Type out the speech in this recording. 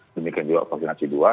demikian juga vaksinasi dua